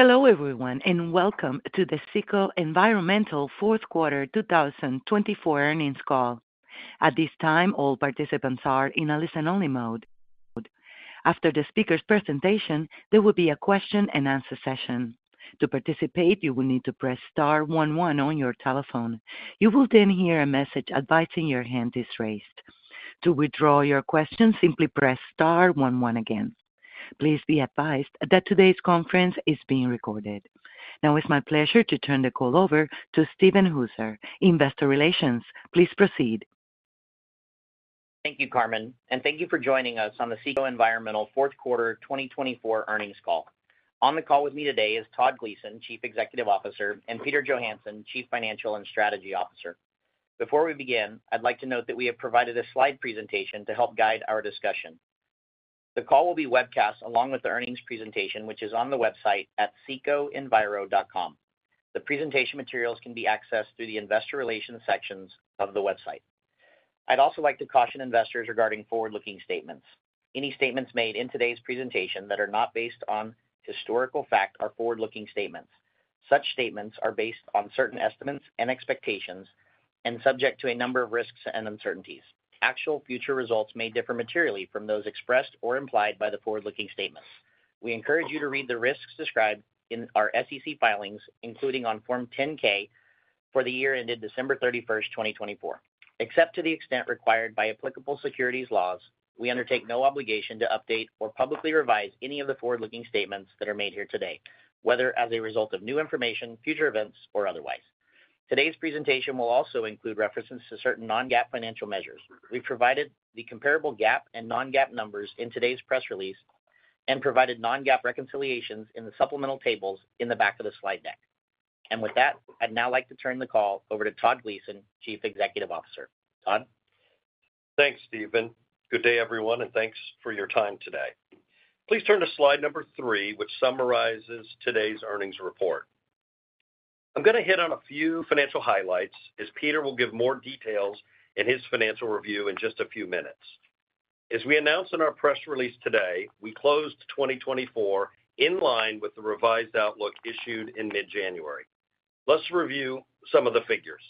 Hello everyone and welcome to the CECO Environmental Q4 2024 Earnings Call. At this time, all participants are in a listen-only mode. After the speaker's presentation, there will be a question-and-answer session. To participate, you will need to press star one one on your telephone. You will then hear a message advising your hand is raised. To withdraw your question, simply press star one one again. Please be advised that today's conference is being recorded. Now, it's my pleasure to turn the call over to Steven Hooser, Investor Relations. Please proceed. Thank you, Carmen, and thank you for joining us on the CECO Environmental Q4 2024 earnings call. On the call with me today is Todd Gleason, Chief Executive Officer, and Peter Johansson, Chief Financial and Strategy Officer. Before we begin, I'd like to note that we have provided a slide presentation to help guide our discussion. The call will be webcast along with the earnings presentation, which is on the website at cecoenviro.com. The presentation materials can be accessed through the Investor Relations sections of the website. I'd also like to caution investors regarding forward-looking statements. Any statements made in today's presentation that are not based on historical fact are forward-looking statements. Such statements are based on certain estimates and expectations and subject to a number of risks and uncertainties. Actual future results may differ materially from those expressed or implied by the forward-looking statements. We encourage you to read the risks described in our SEC filings, including on Form 10-K for the year ended December 31st, 2024. Except to the extent required by applicable securities laws, we undertake no obligation to update or publicly revise any of the forward-looking statements that are made here today, whether as a result of new information, future events, or otherwise. Today's presentation will also include references to certain non-GAAP financial measures. We've provided the comparable GAAP and non-GAAP numbers in today's press release and provided non-GAAP reconciliations in the supplemental tables in the back of the slide deck. And with that, I'd now like to turn the call over to Todd Gleason, Chief Executive Officer. Todd? Thanks, Steven. Good day, everyone, and thanks for your time today. Please turn to slide number three, which summarizes today's earnings report. I'm going to hit on a few financial highlights, as Peter will give more details in his financial review in just a few minutes. As we announced in our press release today, we closed 2024 in line with the revised outlook issued in mid-January. Let's review some of the figures.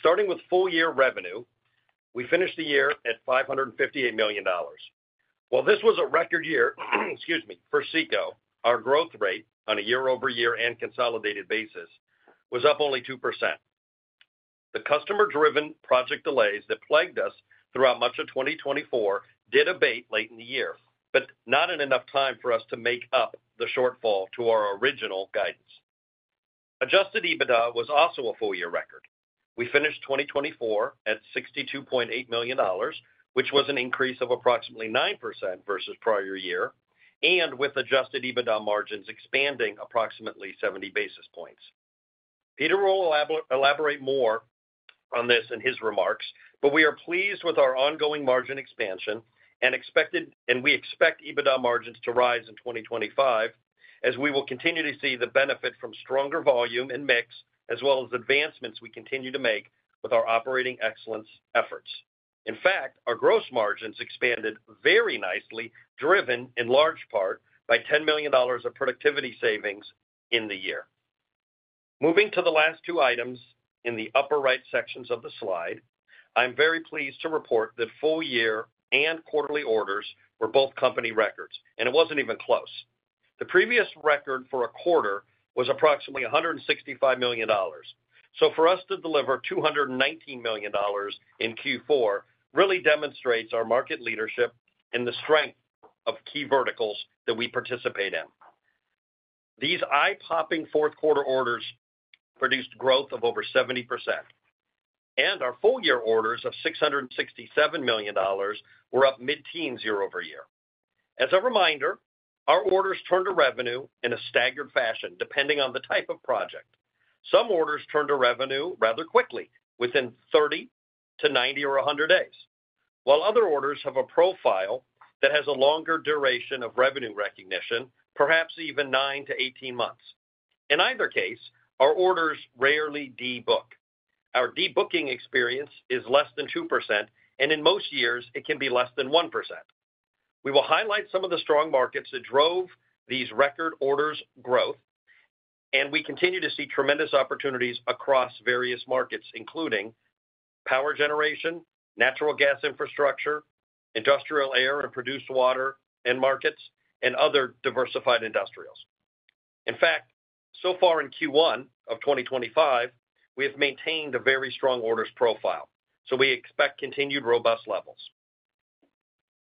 Starting with full-year revenue, we finished the year at $558 million. While this was a record year, excuse me, for CECO, our growth rate on a year-over-year and consolidated basis was up only 2%. The customer-driven project delays that plagued us throughout much of 2024 did abate late in the year, but not in enough time for us to make up the shortfall to our original guidance. Adjusted EBITDA was also a full-year record. We finished 2024 at $62.8 million, which was an increase of approximately 9% versus prior year, and with adjusted EBITDA margins expanding approximately 70 basis points. Peter will elaborate more on this in his remarks, but we are pleased with our ongoing margin expansion, and we expect EBITDA margins to rise in 2025, as we will continue to see the benefit from stronger volume and mix, as well as advancements we continue to make with our operating excellence efforts. In fact, our gross margins expanded very nicely, driven in large part by $10 million of productivity savings in the year. Moving to the last two items in the upper right sections of the slide, I'm very pleased to report that full-year and quarterly orders were both company records, and it wasn't even close. The previous record for a quarter was approximately $165 million. So for us to deliver $219 million in Q4 really demonstrates our market leadership and the strength of key verticals that we participate in. These eye-popping Q4 orders produced growth of over 70%, and our full-year orders of $667 million were up mid-teens year-over-year. As a reminder, our orders turn to revenue in a staggered fashion, depending on the type of project. Some orders turn to revenue rather quickly, within 30 to 90 or 100 days, while other orders have a profile that has a longer duration of revenue recognition, perhaps even 9 to 18 months. In either case, our orders rarely debook. Our debooking experience is less than 2%, and in most years, it can be less than 1%. We will highlight some of the strong markets that drove these record orders' growth, and we continue to see tremendous opportunities across various markets, including power generation, natural gas infrastructure, industrial air and produced water markets, and other diversified industrials. In fact, so far in Q1 of 2025, we have maintained a very strong orders profile, so we expect continued robust levels.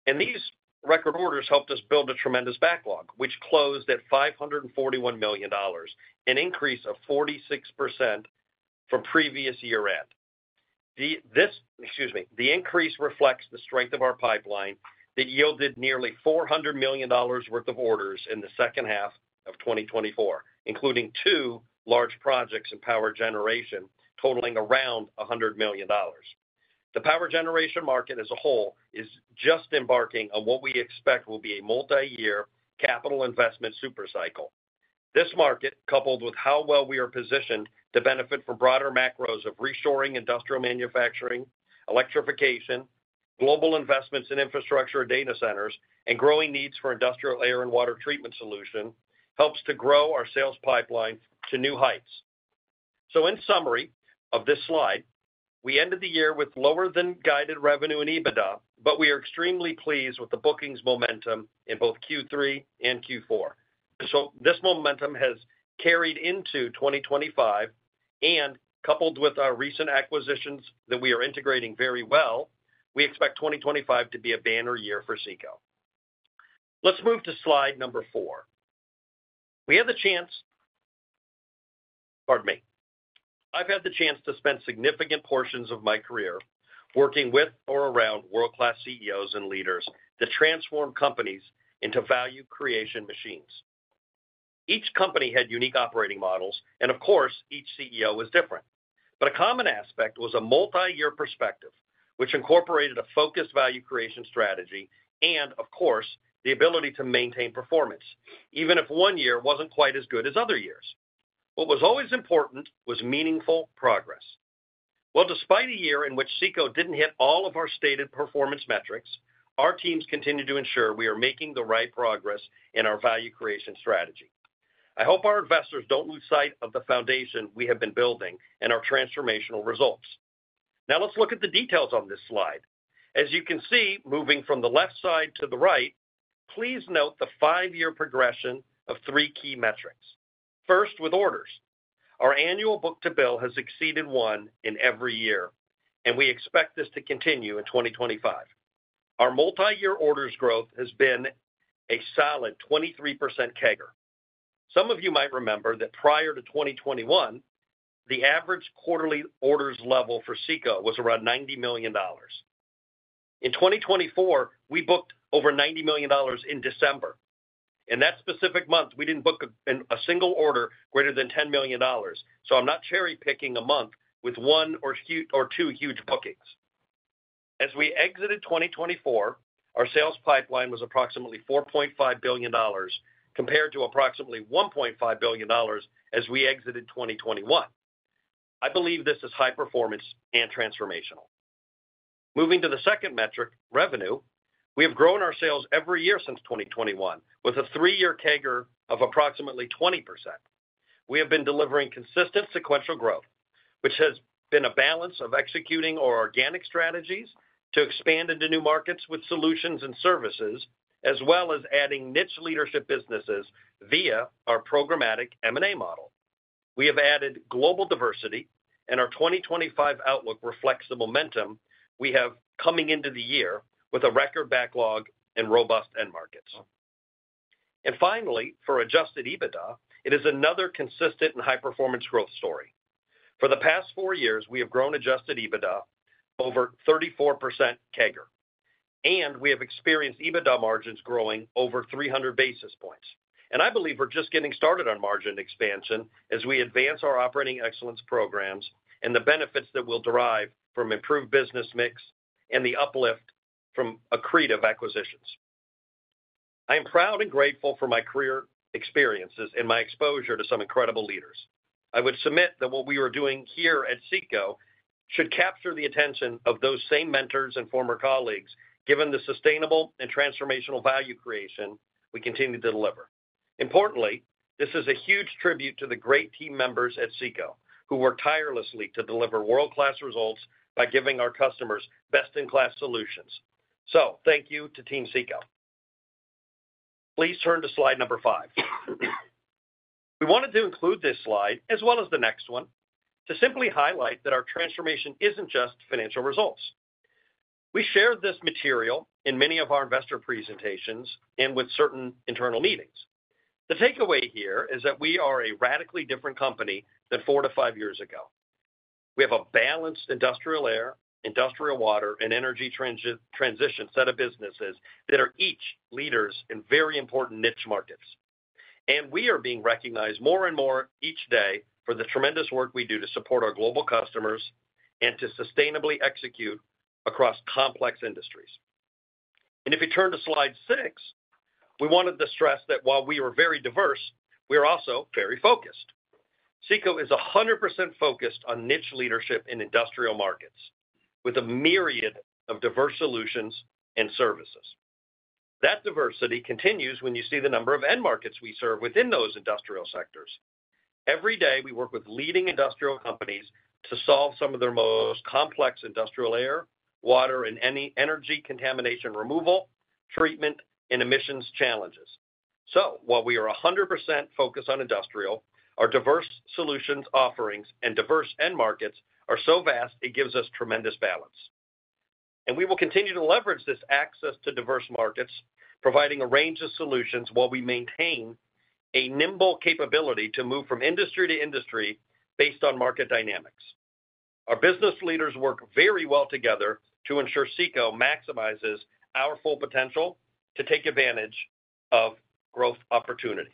And these record orders helped us build a tremendous backlog, which closed at $541 million, an increase of 46% from previous year-end. Excuse me, the increase reflects the strength of our pipeline that yielded nearly $400 million worth of orders in the second half of 2024, including two large projects in power generation totaling around $100 million. The power generation market as a whole is just embarking on what we expect will be a multi-year capital investment supercycle. This market, coupled with how well we are positioned to benefit from broader macros of reshoring industrial manufacturing, electrification, global investments in infrastructure and data centers, and growing needs for industrial air and water treatment solutions, helps to grow our sales pipeline to new heights. So in summary of this slide, we ended the year with lower-than-guided revenue in EBITDA, but we are extremely pleased with the bookings momentum in both Q3 and Q4. So this momentum has carried into 2025, and coupled with our recent acquisitions that we are integrating very well, we expect 2025 to be a banner year for CECO. Let's move to slide number four. We had the chance, pardon me, I've had the chance to spend significant portions of my career working with or around world-class CEOs and leaders that transform companies into value-creation machines. Each company had unique operating models, and of course, each CEO was different. But a common aspect was a multi-year perspective, which incorporated a focused value-creation strategy and, of course, the ability to maintain performance, even if one year wasn't quite as good as other years. What was always important was meaningful progress. Despite a year in which CECO didn't hit all of our stated performance metrics, our teams continue to ensure we are making the right progress in our value-creation strategy. I hope our investors don't lose sight of the foundation we have been building and our transformational results. Now, let's look at the details on this slide. As you can see, moving from the left side to the right, please note the five-year progression of three key metrics. First, with orders, our annual book-to-bill has exceeded one in every year, and we expect this to continue in 2025. Our multi-year orders growth has been a solid 23% CAGR. Some of you might remember that prior to 2021, the average quarterly orders level for CECO was around $90 million. In 2024, we booked over $90 million in December. In that specific month, we didn't book a single order greater than $10 million. So I'm not cherry-picking a month with one or two huge bookings. As we exited 2024, our sales pipeline was approximately $4.5 billion, compared to approximately $1.5 billion as we exited 2021. I believe this is high performance and transformational. Moving to the second metric, revenue, we have grown our sales every year since 2021 with a three-year CAGR of approximately 20%. We have been delivering consistent sequential growth, which has been a balance of executing our organic strategies to expand into new markets with solutions and services, as well as adding niche leadership businesses via our programmatic M&A model. We have added global diversity, and our 2025 outlook reflects the momentum we have coming into the year with a record backlog and robust end markets. And finally, for Adjusted EBITDA, it is another consistent and high-performance growth story. For the past four years, we have grown Adjusted EBITDA over 34% CAGR, and we have experienced EBITDA margins growing over 300 basis points. And I believe we're just getting started on margin expansion as we advance our operating excellence programs and the benefits that will derive from improved business mix and the uplift from accretive acquisitions. I am proud and grateful for my career experiences and my exposure to some incredible leaders. I would submit that what we are doing here at CECO should capture the attention of those same mentors and former colleagues, given the sustainable and transformational value creation we continue to deliver. Importantly, this is a huge tribute to the great team members at CECO, who work tirelessly to deliver world-class results by giving our customers best-in-class solutions. So thank you to Team CECO. Please turn to slide number five. We wanted to include this slide, as well as the next one, to simply highlight that our transformation isn't just financial results. We shared this material in many of our investor presentations and with certain internal meetings. The takeaway here is that we are a radically different company than four to five years ago. We have a balanced industrial air, industrial water, and energy transition set of businesses that are each leaders in very important niche markets. We are being recognized more and more each day for the tremendous work we do to support our global customers and to sustainably execute across complex industries. If you turn to slide six, we wanted to stress that while we are very diverse, we are also very focused. CECO is 100% focused on niche leadership in industrial markets, with a myriad of diverse solutions and services. That diversity continues when you see the number of end markets we serve within those industrial sectors. Every day, we work with leading industrial companies to solve some of their most complex industrial air, water, and energy contamination removal, treatment, and emissions challenges. While we are 100% focused on industrial, our diverse solutions offerings and diverse end markets are so vast, it gives us tremendous balance. We will continue to leverage this access to diverse markets, providing a range of solutions while we maintain a nimble capability to move from industry to industry based on market dynamics. Our business leaders work very well together to ensure CECO maximizes our full potential to take advantage of growth opportunities.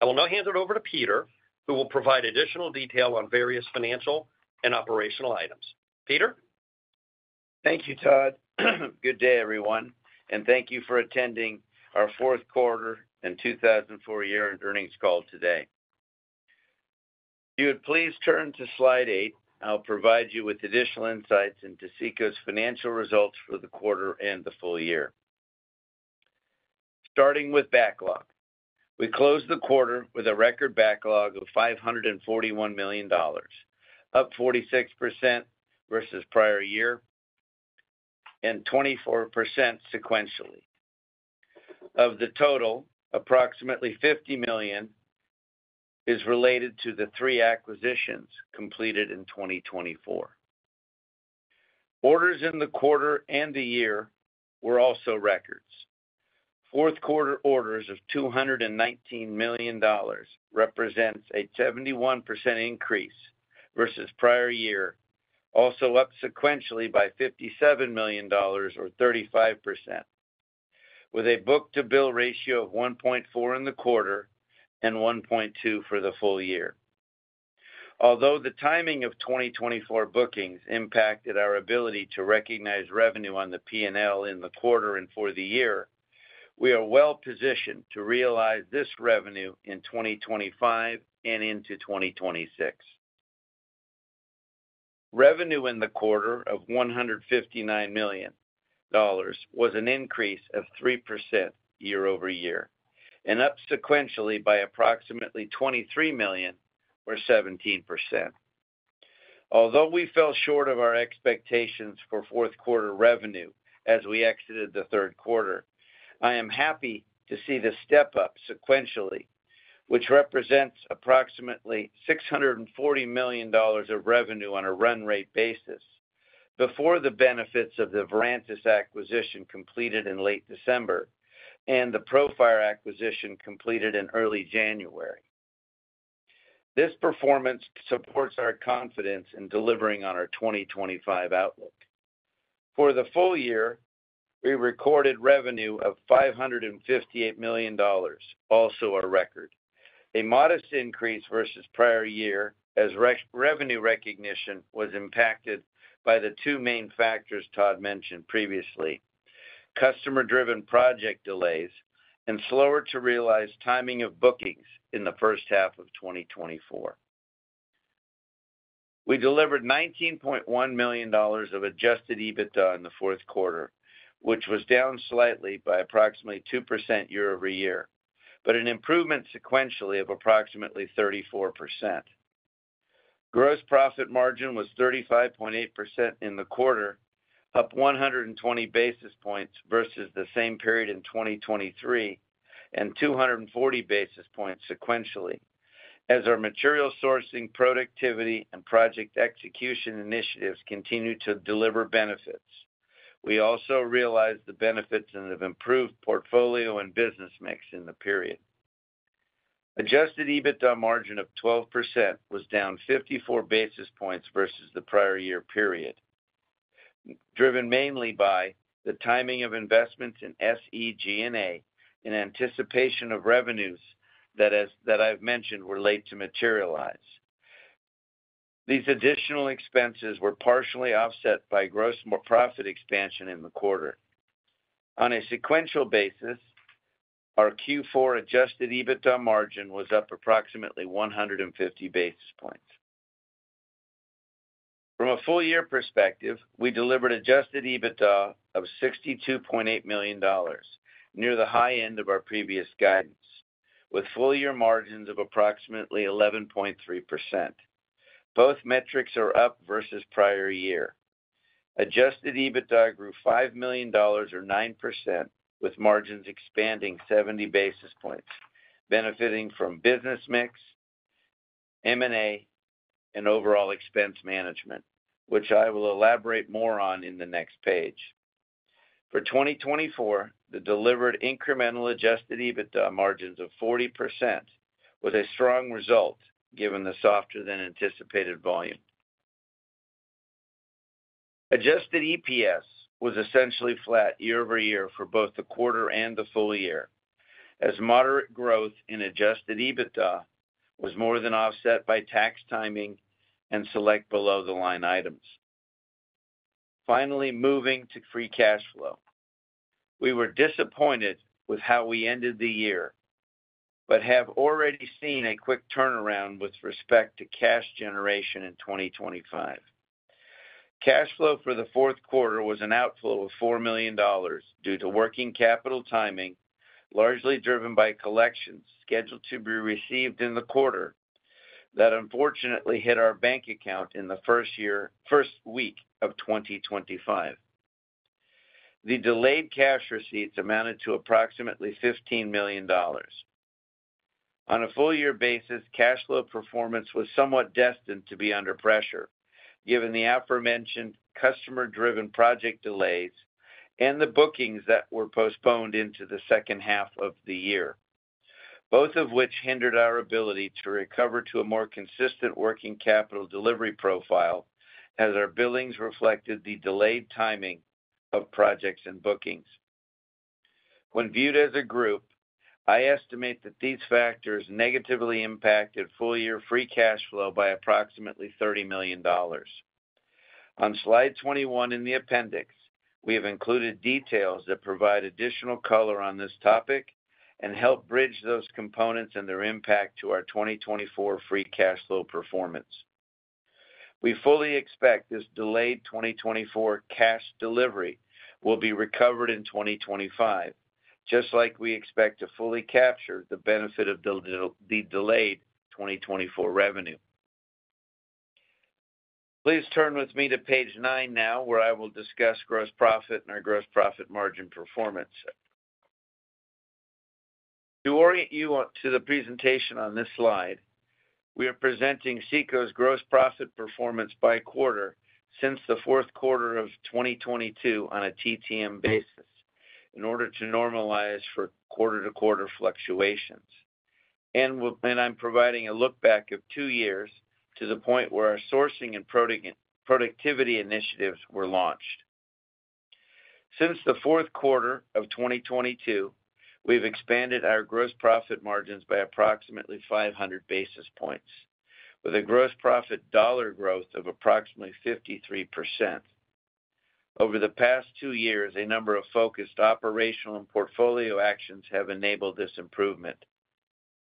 I will now hand it over to Peter, who will provide additional detail on various financial and operational items. Peter. Thank you, Todd. Good day, everyone, and thank you for attending our Q4 and 2024 year-end earnings call today. If you would please turn to slide eight, I'll provide you with additional insights into CECO's financial results for the quarter and the full year. Starting with backlog, we closed the quarter with a record backlog of $541 million, up 46% versus prior year, and 24% sequentially. Of the total, approximately $50 million is related to the three acquisitions completed in 2024. Orders in the quarter and the year were also records. Q4 orders of $219 million represent a 71% increase versus prior year, also up sequentially by $57 million, or 35%, with a book-to-bill ratio of 1.4 in the quarter and 1.2 for the full year. Although the timing of 2024 bookings impacted our ability to recognize revenue on the P&L in the quarter and for the year, we are well positioned to realize this revenue in 2025 and into 2026. Revenue in the quarter of $159 million was an increase of 3% year-over-year, and up sequentially by approximately $23 million, or 17%. Although we fell short of our expectations for Q4 revenue as we exited the Q3, I am happy to see the step-up sequentially, which represents approximately $640 million of revenue on a run rate basis, before the benefits of the Verantis acquisition completed in late December and the Profire acquisition completed in early January. This performance supports our confidence in delivering on our 2025 outlook. For the full year, we recorded revenue of $558 million, also a record. A modest increase versus prior year as revenue recognition was impacted by the two main factors Todd mentioned previously: customer-driven project delays and slower-to-realize timing of bookings in the first half of 2024. We delivered $19.1 million of adjusted EBITDA in the Q4, which was down slightly by approximately 2% year-over-year, but an improvement sequentially of approximately 34%. Gross profit margin was 35.8% in the quarter, up 120 basis points versus the same period in 2023, and 240 basis points sequentially, as our material sourcing, productivity, and project execution initiatives continued to deliver benefits. We also realized the benefits and have improved portfolio and business mix in the period. Adjusted EBITDA margin of 12% was down 54 basis points versus the prior year period, driven mainly by the timing of investments in SG&A in anticipation of revenues that I've mentioned were late to materialize. These additional expenses were partially offset by gross profit expansion in the quarter. On a sequential basis, our Q4 adjusted EBITDA margin was up approximately 150 basis points. From a full-year perspective, we delivered adjusted EBITDA of $62.8 million, near the high end of our previous guidance, with full-year margins of approximately 11.3%. Both metrics are up versus prior year. Adjusted EBITDA grew $5 million, or 9%, with margins expanding 70 basis points, benefiting from business mix, M&A, and overall expense management, which I will elaborate more on in the next page. For 2024, the delivered incremental adjusted EBITDA margins of 40% was a strong result, given the softer-than-anticipated volume. Adjusted EPS was essentially flat year-over-year for both the quarter and the full year, as moderate growth in adjusted EBITDA was more than offset by tax timing and select below-the-line items. Finally, moving to free cash flow. We were disappointed with how we ended the year, but have already seen a quick turnaround with respect to cash generation in 2025. Cash flow for the Q4 was an outflow of $4 million due to working capital timing, largely driven by collections scheduled to be received in the quarter that unfortunately hit our bank account in the first week of 2025. The delayed cash receipts amounted to approximately $15 million. On a full-year basis, cash flow performance was somewhat destined to be under pressure, given the aforementioned customer-driven project delays and the bookings that were postponed into the second half of the year, both of which hindered our ability to recover to a more consistent working capital delivery profile as our billings reflected the delayed timing of projects and bookings. When viewed as a group, I estimate that these factors negatively impacted full-year free cash flow by approximately $30 million. On slide 21 in the appendix, we have included details that provide additional color on this topic and help bridge those components and their impact to our 2024 free cash flow performance. We fully expect this delayed 2024 cash delivery will be recovered in 2025, just like we expect to fully capture the benefit of the delayed 2024 revenue. Please turn with me to page nine now, where I will discuss gross profit and our gross profit margin performance. To orient you to the presentation on this slide, we are presenting CECO's gross profit performance by quarter since the Q4 of 2022 on a TTM basis in order to normalize for quarter-to-quarter fluctuations. I'm providing a look back of two years to the point where our sourcing and productivity initiatives were launched. Since the Q4 of 2022, we've expanded our gross profit margins by approximately 500 basis points, with a gross profit dollar growth of approximately 53%. Over the past two years, a number of focused operational and portfolio actions have enabled this improvement.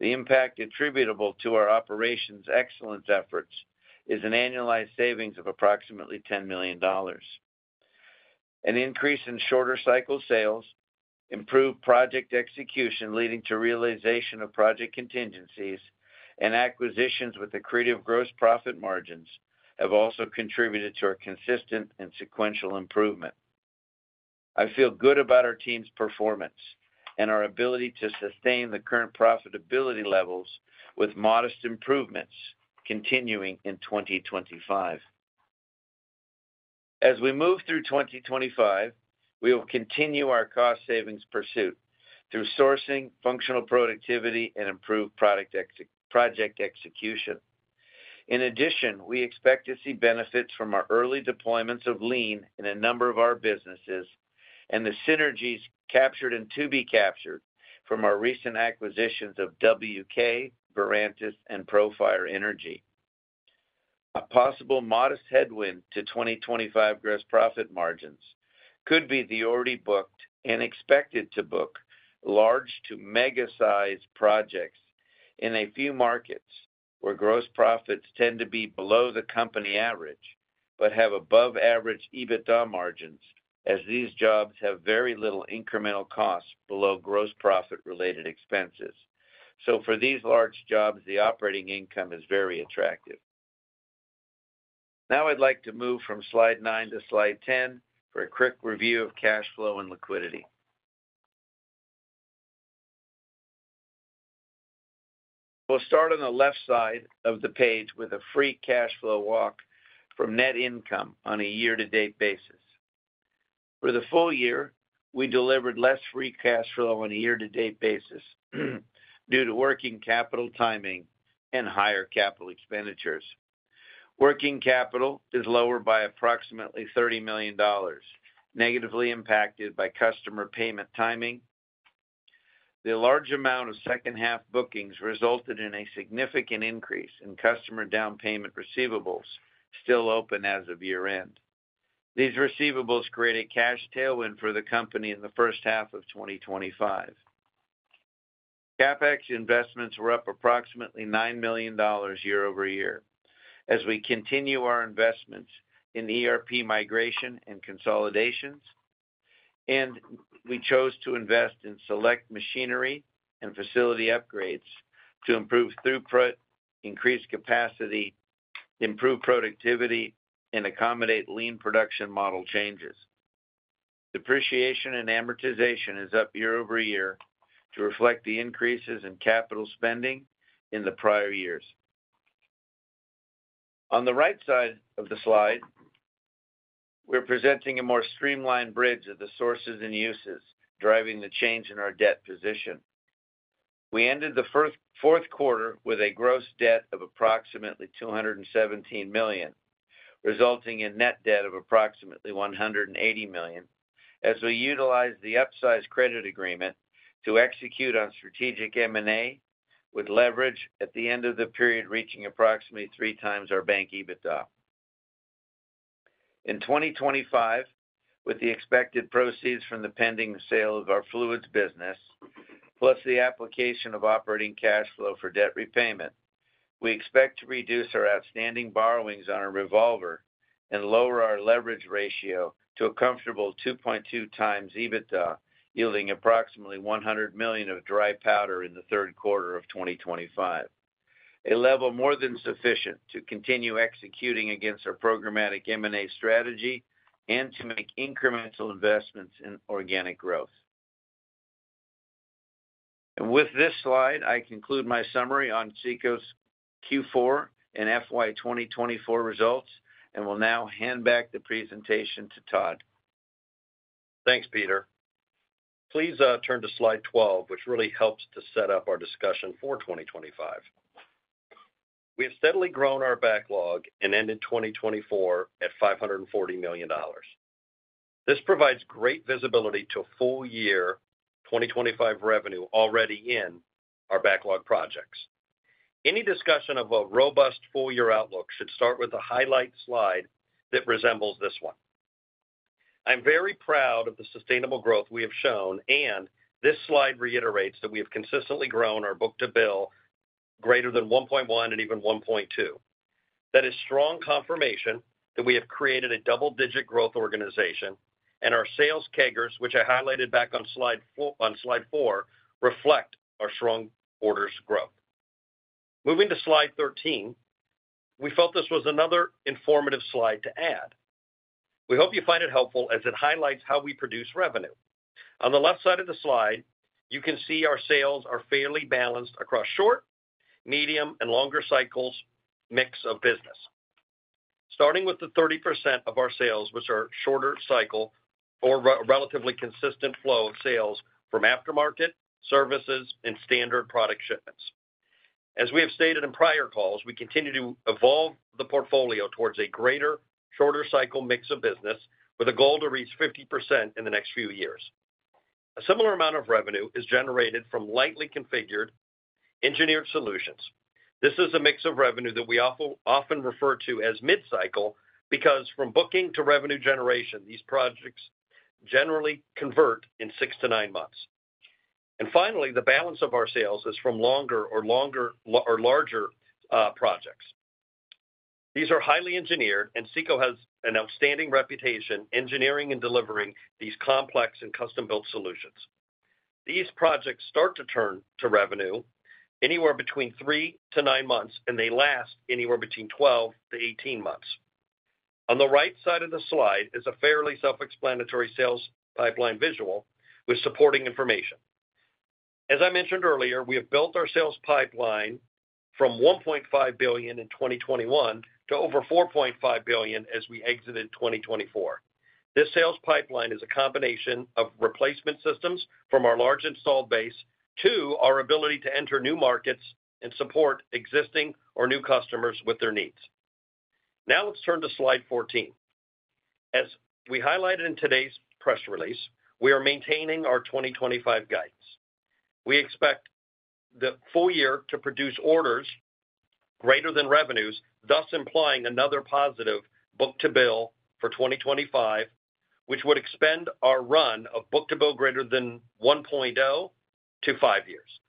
The impact attributable to our operations excellence efforts is an annualized savings of approximately $10 million. An increase in shorter cycle sales, improved project execution leading to realization of project contingencies, and acquisitions with accretive gross profit margins have also contributed to our consistent and sequential improvement. I feel good about our team's performance and our ability to sustain the current profitability levels with modest improvements continuing in 2025. As we move through 2025, we will continue our cost savings pursuit through sourcing, functional productivity, and improved project execution. In addition, we expect to see benefits from our early deployments of lean in a number of our businesses and the synergies captured and to be captured from our recent acquisitions of WK, Verantis, and Profire Energy. A possible modest headwind to 2025 gross profit margins could be the already booked and expected to book large to mega-sized projects in a few markets where gross profits tend to be below the company average but have above-average EBITDA margins, as these jobs have very little incremental costs below gross profit-related expenses. So for these large jobs, the operating income is very attractive. Now I'd like to move from slide nine to slide 10 for a quick review of cash flow and liquidity. We'll start on the left side of the page with a free cash flow walk from net income on a year-to-date basis. For the full year, we delivered less free cash flow on a year-to-date basis due to working capital timing and higher capital expenditures. Working capital is lower by approximately $30 million, negatively impacted by customer payment timing. The large amount of second-half bookings resulted in a significant increase in customer down payment receivables still open as of year-end. These receivables create a cash tailwind for the company in the first half of 2025. CapEx investments were up approximately $9 million year-over-year as we continue our investments in ERP migration and consolidations, and we chose to invest in select machinery and facility upgrades to improve throughput, increase capacity, improve productivity, and accommodate lean production model changes. Depreciation and amortization is up year-over-year to reflect the increases in capital spending in the prior years. On the right side of the slide, we're presenting a more streamlined bridge of the sources and uses driving the change in our debt position. We ended the Q with a gross debt of approximately $217 million, resulting in net debt of approximately $180 million, as we utilized the upsized credit agreement to execute on strategic M&A with leverage at the end of the period reaching approximately three times our bank EBITDA. In 2025, with the expected proceeds from the pending sale of our fluids business, plus the application of operating cash flow for debt repayment, we expect to reduce our outstanding borrowings on a revolver and lower our leverage ratio to a comfortable 2.2 times EBITDA, yielding approximately $100 million of dry powder in the Q3 of 2025, a level more than sufficient to continue executing against our programmatic M&A strategy and to make incremental investments in organic growth. And with this slide, I conclude my summary on CECO's Q4 and FY 2024 results and will now hand back the presentation to Todd. Thanks, Peter. Please turn to slide 12, which really helps to set up our discussion for 2025. We have steadily grown our backlog and ended 2024 at $540 million. This provides great visibility to full-year 2025 revenue already in our backlog projects. Any discussion of a robust full-year outlook should start with a highlight slide that resembles this one. I'm very proud of the sustainable growth we have shown, and this slide reiterates that we have consistently grown our book-to-bill greater than 1.1 and even 1.2. That is strong confirmation that we have created a double-digit growth organization, and our sales backlog, which I highlighted back on slide four, reflect our strong quarter's growth. Moving to slide 13, we felt this was another informative slide to add. We hope you find it helpful as it highlights how we produce revenue. On the left side of the slide, you can see our sales are fairly balanced across short, medium, and longer cycles mix of business, starting with the 30% of our sales, which are shorter cycle or relatively consistent flow of sales from aftermarket services and standard product shipments. As we have stated in prior calls, we continue to evolve the portfolio towards a greater, shorter cycle mix of business with a goal to reach 50% in the next few years. A similar amount of revenue is generated from lightly configured engineered solutions. This is a mix of revenue that we often refer to as mid-cycle because from booking to revenue generation, these projects generally convert in six-to-nine months. And finally, the balance of our sales is from longer or larger projects. These are highly engineered, and CECO has an outstanding reputation engineering and delivering these complex and custom-built solutions. These projects start to turn to revenue anywhere between three-to-nine months, and they last anywhere between 12-to-18 months. On the right side of the slide is a fairly self-explanatory sales pipeline visual with supporting information. As I mentioned earlier, we have built our sales pipeline from $1.5 billion in 2021 to over $4.5 billion as we exited 2024. This sales pipeline is a combination of replacement systems from our large installed base to our ability to enter new markets and support existing or new customers with their needs. Now let's turn to slide 14. As we highlighted in today's press release, we are maintaining our 2025 guidance. We expect the full year to produce orders greater than revenues, thus implying another positive book-to-bill for 2025, which would expand our run of book-to-bill greater than 1.0 to five years.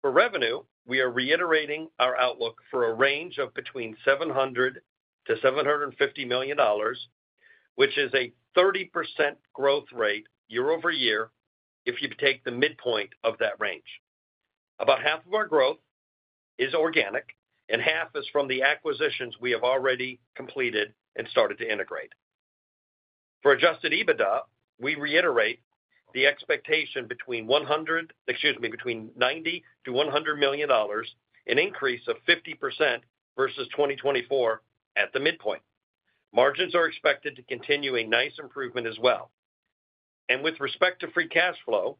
For revenue, we are reiterating our outlook for a range of between $700-$750 million, which is a 30% growth rate year-over-year if you take the midpoint of that range. About half of our growth is organic, and half is from the acquisitions we have already completed and started to integrate. For Adjusted EBITDA, we reiterate the expectation between $90-$100 million, an increase of 50% versus 2024 at the midpoint. Margins are expected to continue a nice improvement as well and with respect to free cash flow,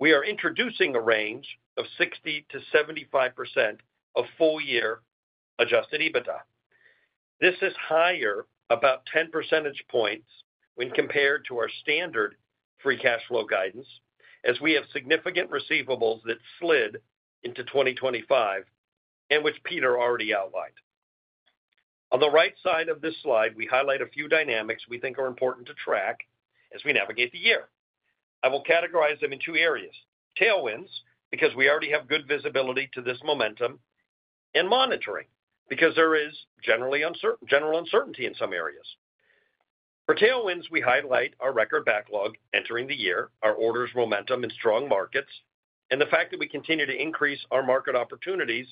we are introducing a range of 60%-75% of full-year Adjusted EBITDA. This is higher about 10% points when compared to our standard free cash flow guidance, as we have significant receivables that slid into 2025 and which Peter already outlined. On the right side of this slide, we highlight a few dynamics we think are important to track as we navigate the year. I will categorize them in two areas: tailwinds because we already have good visibility to this momentum, and monitoring because there is general uncertainty in some areas. For tailwinds, we highlight our record backlog entering the year, our orders momentum in strong markets, and the fact that we continue to increase our market opportunities,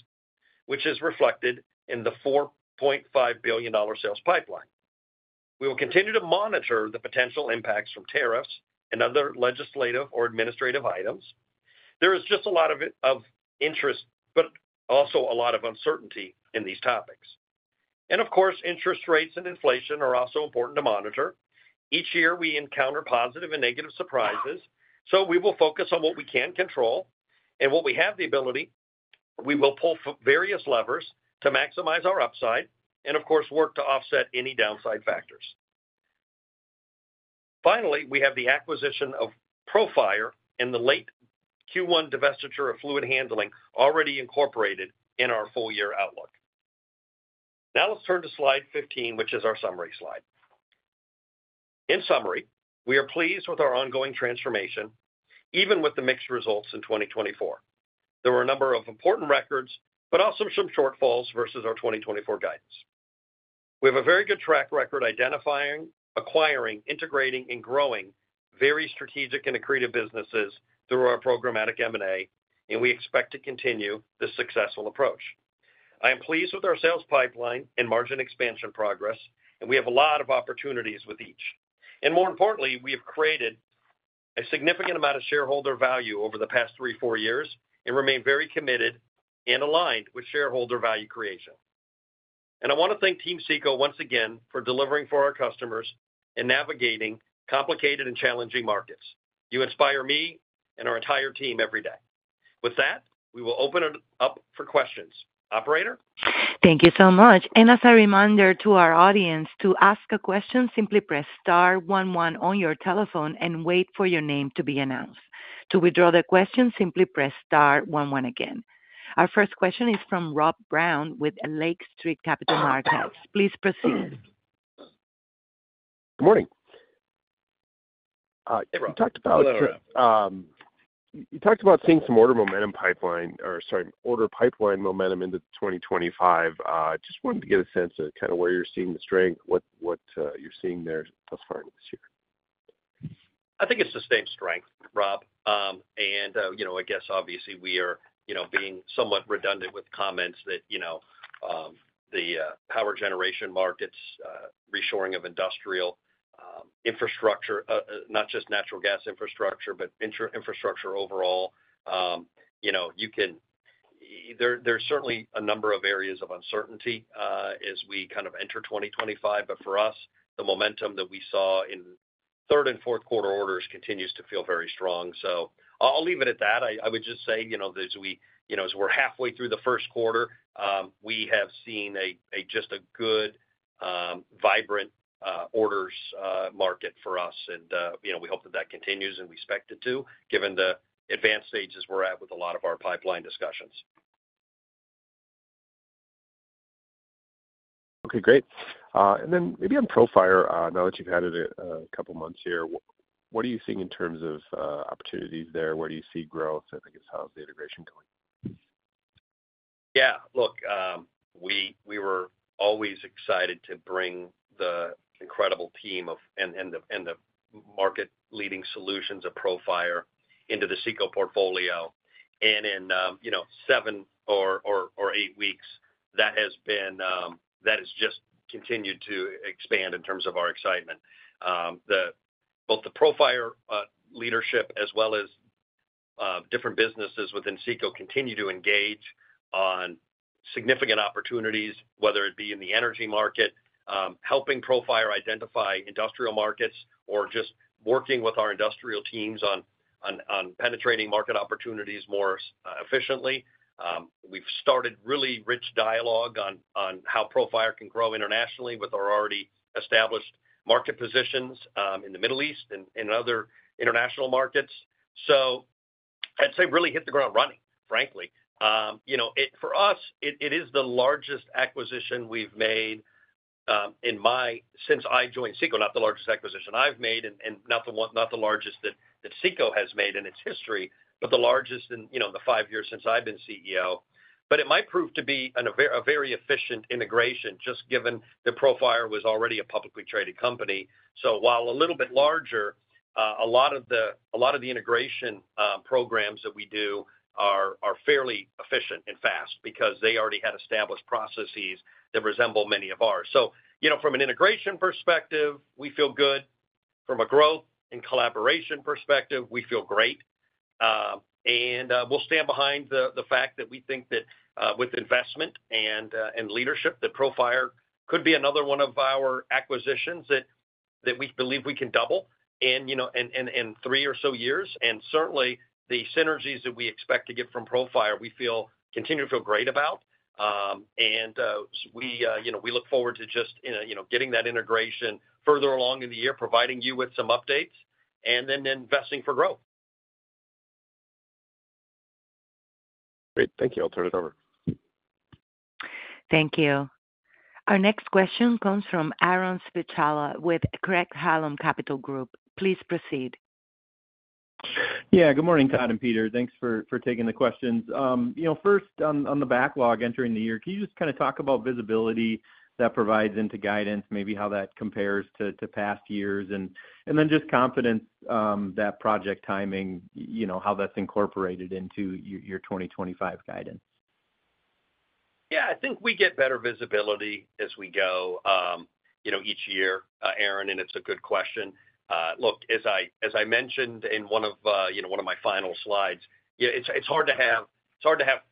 which is reflected in the $4.5 billion sales pipeline. We will continue to monitor the potential impacts from tariffs and other legislative or administrative items. There is just a lot of interest, but also a lot of uncertainty in these topics. And of course, interest rates and inflation are also important to monitor. Each year, we encounter positive and negative surprises, so we will focus on what we can control and what we have the ability. We will pull various levers to maximize our upside and, of course, work to offset any downside factors. Finally, we have the acquisition of Profire and the late Q1 divestiture of fluid handling already incorporated in our full-year outlook. Now let's turn to slide 15, which is our summary slide. In summary, we are pleased with our ongoing transformation, even with the mixed results in 2024. There were a number of important records, but also some shortfalls versus our 2024 guidance. We have a very good track record identifying, acquiring, integrating, and growing very strategic and accretive businesses through our programmatic M&A, and we expect to continue this successful approach. I am pleased with our sales pipeline and margin expansion progress, and we have a lot of opportunities with each, and more importantly, we have created a significant amount of shareholder value over the past three, four years and remain very committed and aligned with shareholder value creation. I want to thank Team CECO once again for delivering for our customers and navigating complicated and challenging markets. You inspire me and our entire team every day. With that, we will open it up for questions. Operator. Thank you so much. And as a reminder to our audience to ask a question, simply press star one one on your telephone and wait for your name to be announced. To withdraw the question, simply press star one one again. Our first question is from Rob Brown with Lake Street Capital Markets. Please proceed. Good morning. Hey, Rob. You talked about seeing some order momentum pipeline or, sorry, order pipeline momentum into 2025. Just wanted to get a sense of kind of where you're seeing the strength, what you're seeing there thus far this year. I think it's the same strength, Rob. And I guess, obviously, we are being somewhat redundant with comments that the power generation markets, reshoring of industrial infrastructure, not just natural gas infrastructure, but infrastructure overall. There's certainly a number of areas of uncertainty as we kind of enter 2025, but for us, the momentum that we saw in third and Q4 orders continues to feel very strong. So I'll leave it at that. I would just say, as we're halfway through the Q1, we have seen just a good, vibrant orders market for us, and we hope that that continues, and we expect it to, given the advanced stages we're at with a lot of our pipeline discussions. Okay, great. And then maybe on Profire, now that you've had it a couple of months here, what are you seeing in terms of opportunities there? Where do you see growth? I think it's how's the integration going? Yeah. Look, we were always excited to bring the incredible team and the market-leading solutions of Profire into the CECO portfolio. And in seven or eight weeks, that has just continued to expand in terms of our excitement. Both the Profire leadership as well as different businesses within CECO continue to engage on significant opportunities, whether it be in the energy market, helping Profire identify industrial markets, or just working with our industrial teams on penetrating market opportunities more efficiently. We've started really rich dialogue on how Profire can grow internationally with our already established market positions in the Middle East and other international markets. So I'd say really hit the ground running, frankly. For us, it is the largest acquisition we've made since I joined CECO, not the largest acquisition I've made and not the largest that CECO has made in its history, but the largest in the five years since I've been CEO. But it might prove to be a very efficient integration just given that Profire was already a publicly traded company. So while a little bit larger, a lot of the integration programs that we do are fairly efficient and fast because they already had established processes that resemble many of ours. So from an integration perspective, we feel good. From a growth and collaboration perspective, we feel great. And we'll stand behind the fact that we think that with investment and leadership, that Profire could be another one of our acquisitions that we believe we can double in three or so years. Certainly, the synergies that we expect to get from Profire. We continue to feel great about. We look forward to just getting that integration further along in the year, providing you with some updates, and then investing for growth. Great. Thank you. I'll turn it over. Thank you. Our next question comes from Aaron Spychalla with Craig-Hallum Capital Group. Please proceed. Yeah. Good morning, Todd and Peter. Thanks for taking the questions. First, on the backlog entering the year, can you just kind of talk about visibility that provides into guidance, maybe how that compares to past years, and then just confidence that project timing, how that's incorporated into your 2025 guidance? Yeah. I think we get better visibility as we go each year, Aaron, and it's a good question. Look, as I mentioned in one of my final slides, it's hard to have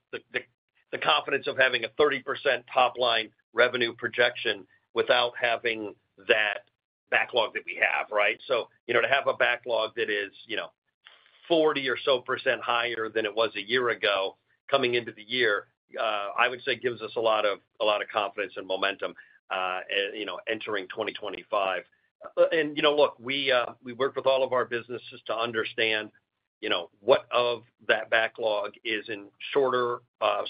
the confidence of having a 30% top-line revenue projection without having that backlog that we have, right? So to have a backlog that is 40% or so higher than it was a year ago coming into the year, I would say gives us a lot of confidence and momentum entering 2025. And look, we work with all of our businesses to understand what of that backlog is in shorter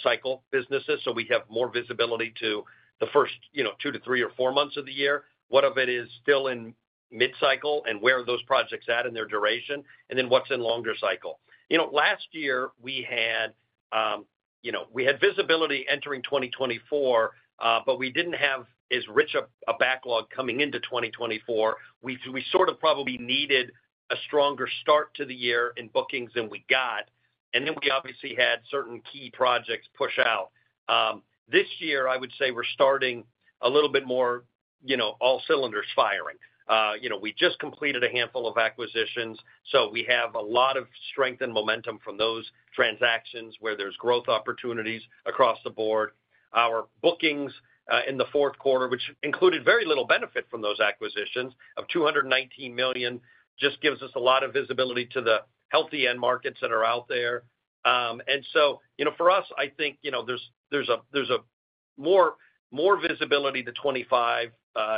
cycle businesses, so we have more visibility to the first two to three or four months of the year, what of it is still in mid-cycle and where are those projects at in their duration, and then what's in longer cycle. Last year, we had visibility entering 2024, but we didn't have as rich a backlog coming into 2024. We sort of probably needed a stronger start to the year in bookings than we got. And then we obviously had certain key projects push out. This year, I would say we're starting a little bit more all cylinders firing. We just completed a handful of acquisitions, so we have a lot of strength and momentum from those transactions where there's growth opportunities across the board. Our bookings in the Q4, which included very little benefit from those acquisitions of $219 million, just gives us a lot of visibility to the healthy end markets that are out there. And so for us, I think there's more visibility to 2025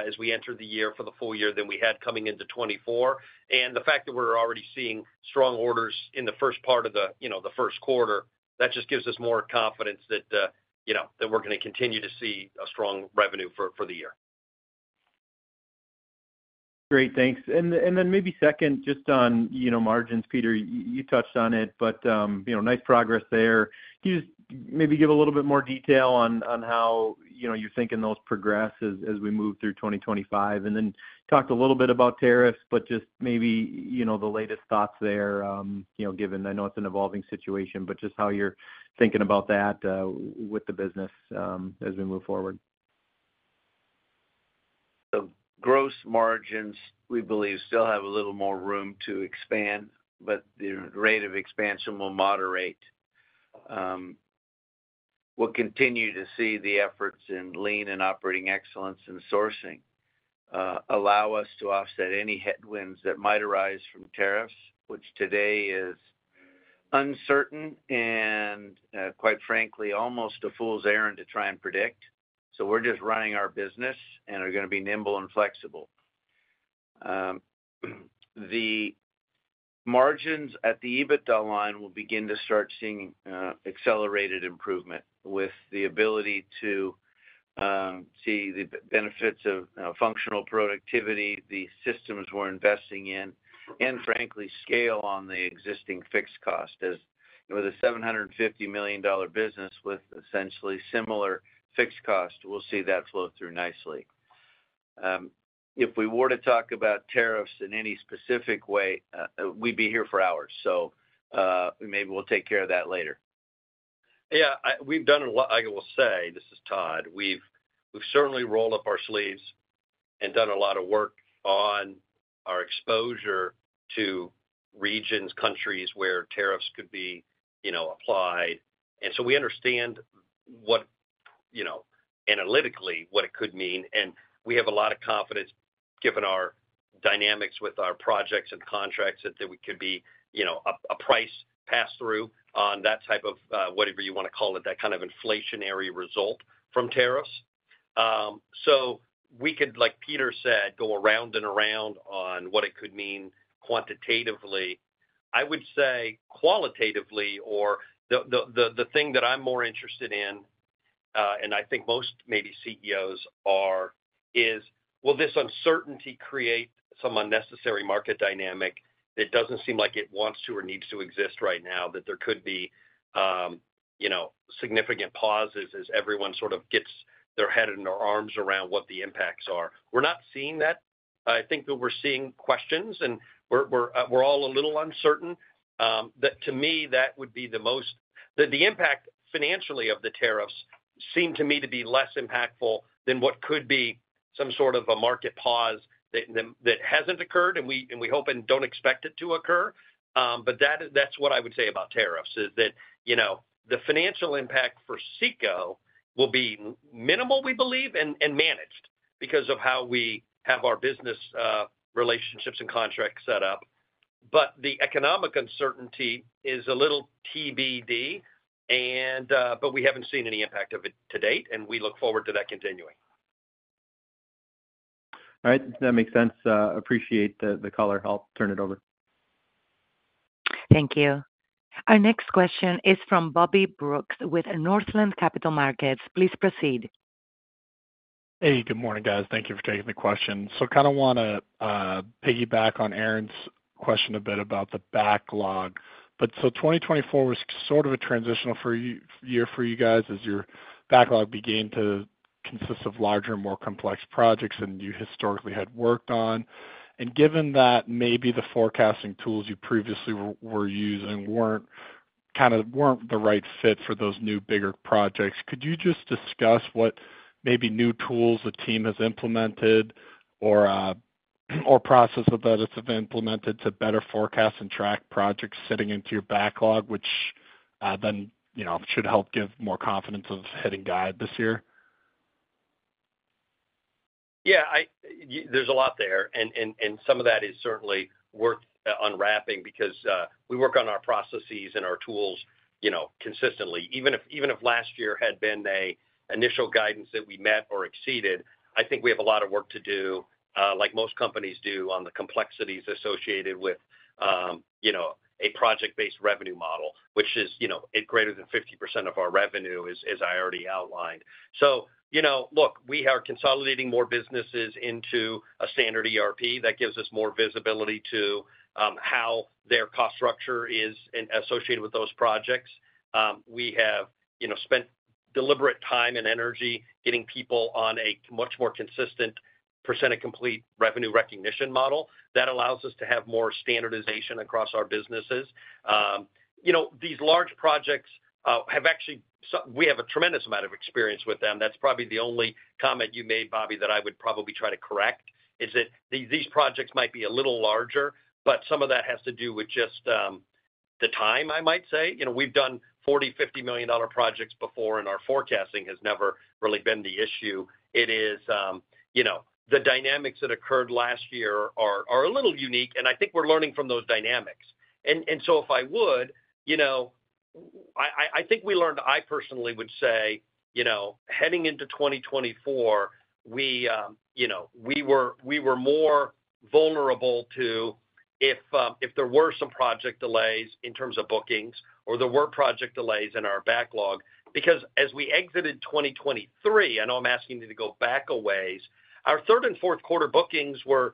as we enter the year for the full year than we had coming into 2024. And the fact that we're already seeing strong orders in the first part of the Q1, that just gives us more confidence that we're going to continue to see a strong revenue for the year. Great. Thanks. And then maybe second, just on margins, Peter, you touched on it, but nice progress there. Can you just maybe give a little bit more detail on how you're thinking those progress as we move through 2025? And then talked a little bit about tariffs, but just maybe the latest thoughts there, given I know it's an evolving situation, but just how you're thinking about that with the business as we move forward. The gross margins, we believe, still have a little more room to expand, but the rate of expansion will moderate. We'll continue to see the efforts in lean and operating excellence and sourcing allow us to offset any headwinds that might arise from tariffs, which today is uncertain and, quite frankly, almost a fool's errand to try and predict. So we're just running our business and are going to be nimble and flexible. The margins at the EBITDA line will begin to start seeing accelerated improvement with the ability to see the benefits of functional productivity, the systems we're investing in, and, frankly, scale on the existing fixed cost. With a $750 million business with essentially similar fixed costs, we'll see that flow through nicely. If we were to talk about tariffs in any specific way, we'd be here for hours. So maybe we'll take care of that later. Yeah. We've done a lot. I will say, this is Todd. We've certainly rolled up our sleeves and done a lot of work on our exposure to regions, countries where tariffs could be applied, and so we understand analytically what it could mean, and we have a lot of confidence, given our dynamics with our projects and contracts, that there could be a price pass-through on that type of, whatever you want to call it, that kind of inflationary result from tariffs, so we could, like Peter said, go around and around on what it could mean quantitatively. I would say qualitatively, or the thing that I'm more interested in, and I think most maybe CEOs are, is, will this uncertainty create some unnecessary market dynamic that doesn't seem like it wants to or needs to exist right now, that there could be significant pauses as everyone sort of gets their arms around what the impacts are? We're not seeing that. I think that we're seeing questions, and we're all a little uncertain. To me, that would be the most that the impact financially of the tariffs seem to me to be less impactful than what could be some sort of a market pause that hasn't occurred, and we hope and don't expect it to occur. But that's what I would say about tariffs, is that the financial impact for CECO will be minimal, we believe, and managed because of how we have our business relationships and contracts set up. But the economic uncertainty is a little TBD, but we haven't seen any impact of it to date, and we look forward to that continuing. All right. That makes sense. Appreciate the caller. I'll turn it over. Thank you. Our next question is from Bobby Brooks with Northland Capital Markets. Please proceed. Hey, good morning, guys. Thank you for taking the question, so kind of want to piggyback on Aaron's question a bit about the backlog, but so 2024 was sort of a transitional year for you guys as your backlog began to consist of larger, more complex projects than you historically had worked on, and given that maybe the forecasting tools you previously were using kind of weren't the right fit for those new, bigger projects, could you just discuss what maybe new tools the team has implemented or processes that it's implemented to better forecast and track projects sitting into your backlog, which then should help give more confidence of hitting guide this year? Yeah. There's a lot there, and some of that is certainly worth unwrapping because we work on our processes and our tools consistently. Even if last year had been an initial guidance that we met or exceeded, I think we have a lot of work to do, like most companies do, on the complexities associated with a project-based revenue model, which is greater than 50% of our revenue, as I already outlined. So look, we are consolidating more businesses into a standard ERP. That gives us more visibility to how their cost structure is associated with those projects. We have spent deliberate time and energy getting people on a much more consistent percent of complete revenue recognition model. That allows us to have more standardization across our businesses. These large projects, actually, we have a tremendous amount of experience with them. That's probably the only comment you made, Bobby, that I would probably try to correct, is that these projects might be a little larger, but some of that has to do with just the time, I might say. We've done $40-$50 million projects before, and our forecasting has never really been the issue. It is the dynamics that occurred last year are a little unique, and I think we're learning from those dynamics. And so if I would, I think we learned I personally would say, heading into 2024, we were more vulnerable to if there were some project delays in terms of bookings or there were project delays in our backlog. Because as we exited 2023, I know I'm asking you to go back a ways, our third and Q4 bookings weren't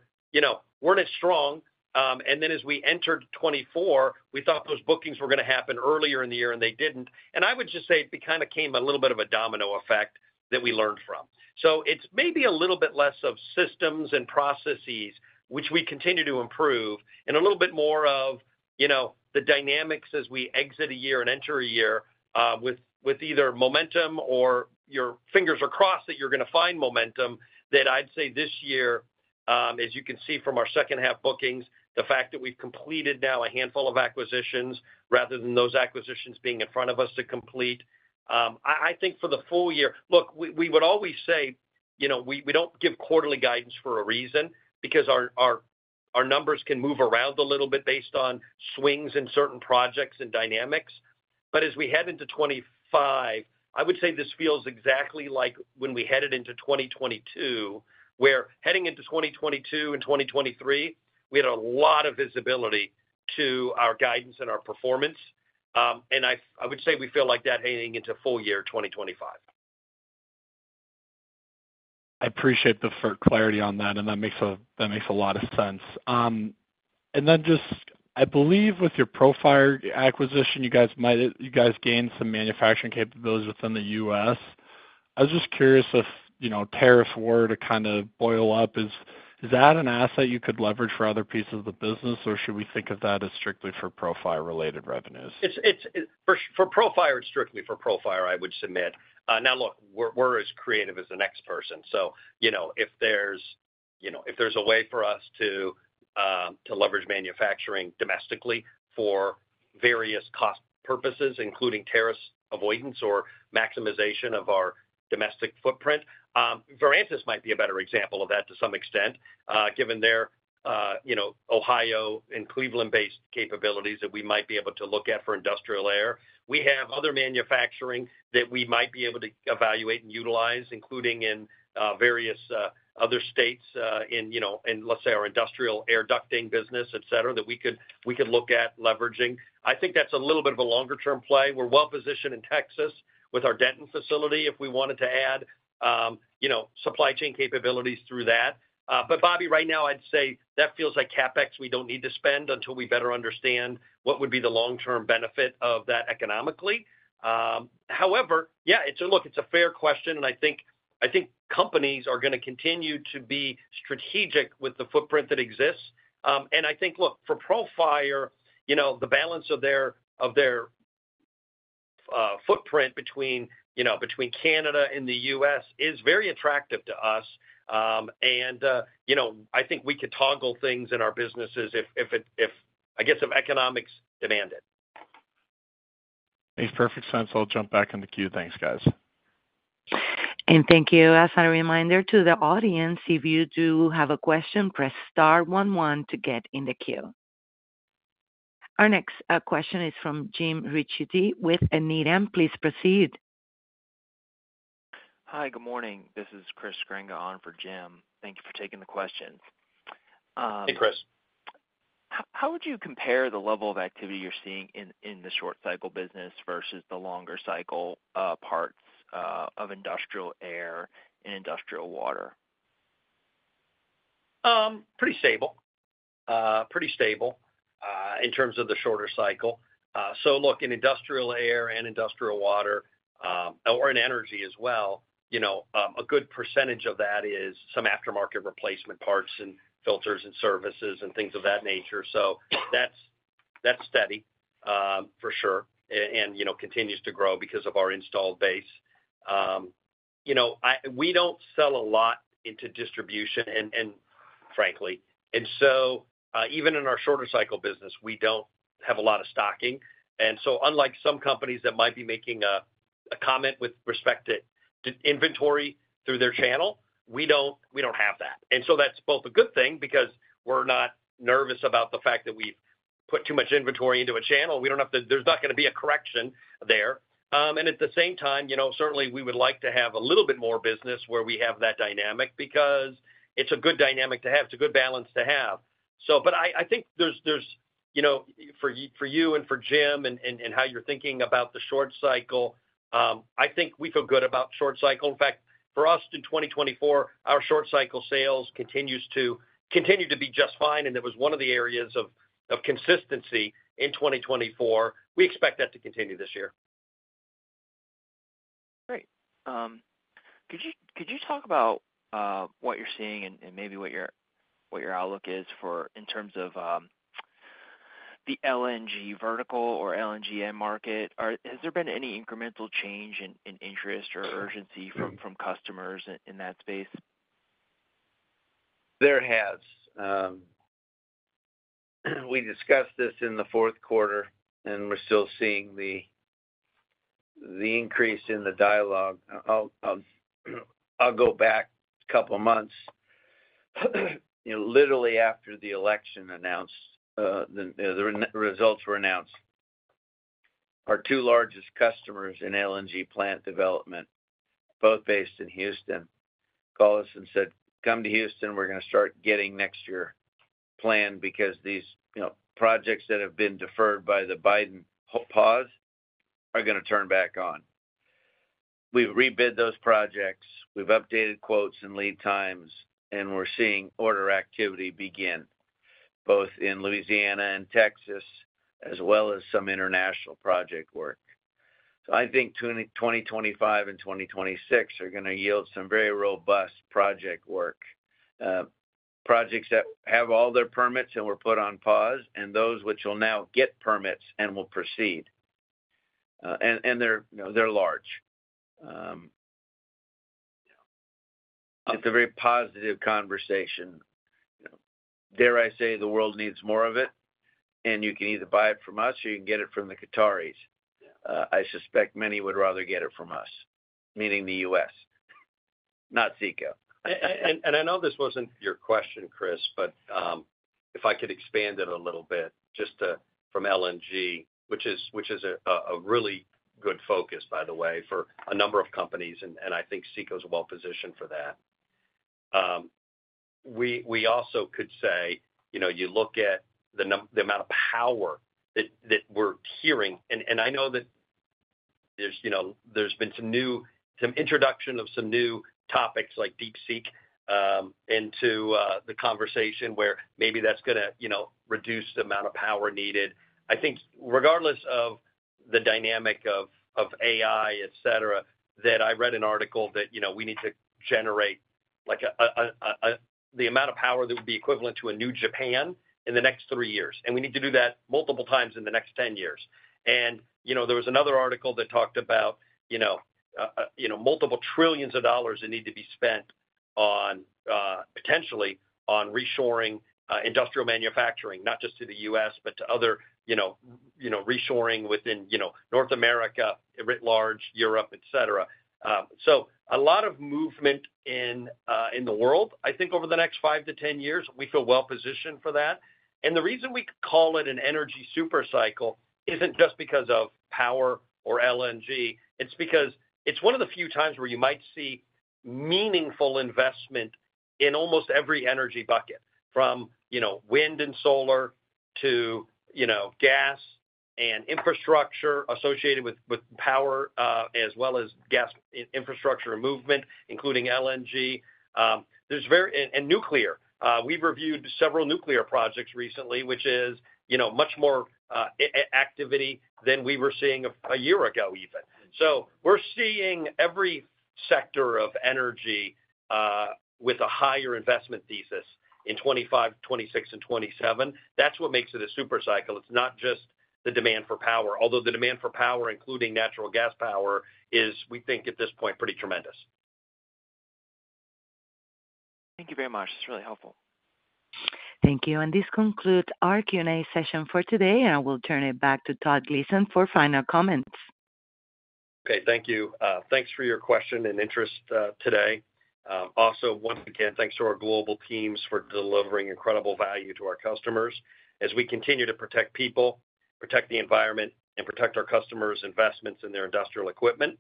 as strong. And then as we entered 2024, we thought those bookings were going to happen earlier in the year, and they didn't. And I would just say it kind of came a little bit of a domino effect that we learned from. So it's maybe a little bit less of systems and processes, which we continue to improve, and a little bit more of the dynamics as we exit a year and enter a year with either momentum or your fingers are crossed that you're going to find momentum. That I'd say this year, as you can see from our second-half bookings, the fact that we've completed now a handful of acquisitions rather than those acquisitions being in front of us to complete. I think for the full year, look, we would always say we don't give quarterly guidance for a reason because our numbers can move around a little bit based on swings in certain projects and dynamics. But as we head into 2025, I would say this feels exactly like when we headed into 2022, where heading into 2022 and 2023, we had a lot of visibility to our guidance and our performance. And I would say we feel like that heading into full year 2025. I appreciate the clarity on that, and that makes a lot of sense. And then just, I believe with your Profire acquisition, you guys gained some manufacturing capabilities within the U.S. I was just curious if tariffs were to kind of boil up, is that an asset you could leverage for other pieces of the business, or should we think of that as strictly for Profire-related revenues? For Profire, it's strictly for Profire, I would submit. Now, look, we're as creative as the next person. So if there's a way for us to leverage manufacturing domestically for various cost purposes, including tariff avoidance or maximization of our domestic footprint, Verantis might be a better example of that to some extent, given their Ohio and Cleveland, Ohio-based capabilities that we might be able to look at for industrial air. We have other manufacturing that we might be able to evaluate and utilize, including in various other states in, let's say, our industrial air ducting business, etc., that we could look at leveraging. I think that's a little bit of a longer-term play. We're well-positioned in Texas with our Denton facility if we wanted to add supply chain capabilities through that. But Bobby, right now, I'd say that feels like CapEx we don't need to spend until we better understand what would be the long-term benefit of that economically. However, yeah, look, it's a fair question, and I think companies are going to continue to be strategic with the footprint that exists. And I think, look, for Profire, the balance of their footprint between Canada and the U.S. is very attractive to us. And I think we could toggle things in our businesses if, I guess, if economics demand it. Makes perfect sense. I'll jump back in the queue. Thanks, guys. And thank you. As a reminder to the audience, if you do have a question, press star one one to get in the queue. Our next question is from Jim Ricchiuti with Needham. Please proceed. Hi, good morning. This is Chris Grenga on for Jim. Thank you for taking the question. Hey, Chris. How would you compare the level of activity you're seeing in the short-cycle business versus the longer-cycle parts of industrial air and industrial water? Pretty stable. Pretty stable in terms of the shorter cycle. So look, in industrial air and industrial water, or in energy as well, a good percentage of that is some aftermarket replacement parts and filters and services and things of that nature. So that's steady, for sure, and continues to grow because of our installed base. We don't sell a lot into distribution, frankly. And so even in our shorter-cycle business, we don't have a lot of stocking. And so unlike some companies that might be making a comment with respect to inventory through their channel, we don't have that. And so that's both a good thing because we're not nervous about the fact that we've put too much inventory into a channel. There's not going to be a correction there. And at the same time, certainly, we would like to have a little bit more business where we have that dynamic because it's a good dynamic to have. It's a good balance to have. But I think for you and for Jim and how you're thinking about the short cycle, I think we feel good about short cycle. In fact, for us in 2024, our short-cycle sales continue to be just fine. And that was one of the areas of consistency in 2024. We expect that to continue this year. Great. Could you talk about what you're seeing and maybe what your outlook is in terms of the LNG vertical or LNG end market? Has there been any incremental change in interest or urgency from customers in that space? There has. We discussed this in the Q4, and we're still seeing the increase in the dialogue. I'll go back a couple of months, literally after the election results were announced. Our two largest customers in LNG plant development, both based in Houston, called us and said, "Come to Houston. We're going to start getting next year's plan because these projects that have been deferred by the Biden pause are going to turn back on." We've rebid those projects. We've updated quotes and lead times, and we're seeing order activity begin both in Louisiana and Texas as well as some international project work. I think 2025 and 2026 are going to yield some very robust project work, projects that have all their permits and were put on pause, and those which will now get permits and will proceed. And they're large. It's a very positive conversation. Dare I say the world needs more of it, and you can either buy it from us or you can get it from the Qataris. I suspect many would rather get it from us, meaning the U.S., not CECO. And I know this wasn't your question, Chris, but if I could expand it a little bit just from LNG, which is a really good focus, by the way, for a number of companies, and I think CECO is well-positioned for that. We also could say you look at the amount of power that we're hearing. I know that there's been some introduction of some new topics like DeepSeek into the conversation where maybe that's going to reduce the amount of power needed. I think regardless of the dynamic of AI, etc., that I read an article that we need to generate the amount of power that would be equivalent to a new Japan in the next three years. We need to do that multiple times in the next 10 years. There was another article that talked about multiple trillions of dollars that need to be spent potentially on reshoring industrial manufacturing, not just to the U.S., but to other reshoring within North America writ large, Europe, etc. A lot of movement in the world, I think over the next 5-10 years, we feel well-positioned for that. The reason we call it an energy supercycle isn't just because of power or LNG. It's because it's one of the few times where you might see meaningful investment in almost every energy bucket, from wind and solar to gas and infrastructure associated with power as well as gas infrastructure movement, including LNG, and nuclear. We've reviewed several nuclear projects recently, which is much more activity than we were seeing a year ago even. We're seeing every sector of energy with a higher investment thesis in 2025, 2026, and 2027. That's what makes it a supercycle. It's not just the demand for power, although the demand for power, including natural gas power, is, we think at this point, pretty tremendous. Thank you very much. It's really helpful. Thank you. And this concludes our Q&A session for today, and I will turn it back to Todd Gleason for final comments. Okay. Thank you. Thanks for your question and interest today. Also, once again, thanks to our global teams for delivering incredible value to our customers as we continue to protect people, protect the environment, and protect our customers' investments in their industrial equipment.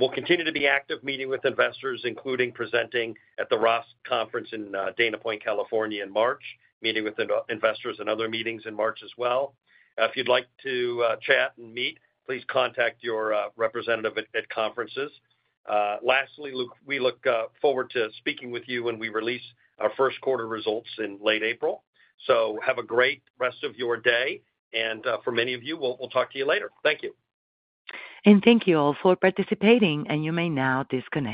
We'll continue to be active meeting with investors, including presenting at the Roth MKM conference in Dana Point, California in March, meeting with investors and other meetings in March as well. If you'd like to chat and meet, please contact your representative at conferences. Lastly, we look forward to speaking with you when we release our Q1 results in late April. So have a great rest of your day. And for many of you, we'll talk to you later. Thank you. Thank you all for participating, and you may now disconnect.